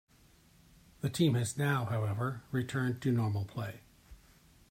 The team has now, however, returned to normal play.